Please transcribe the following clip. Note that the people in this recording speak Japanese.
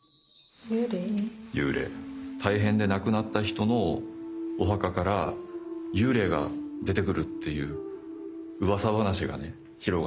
大変で亡くなった人のお墓から幽霊が出てくるっていううわさ話がね広がってね